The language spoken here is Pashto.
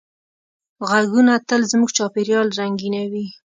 غږونه تل زموږ چاپېریال رنګینوي.